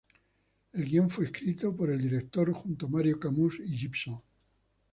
El guion fue escrito por el director junto a Mario Camus y Gibson.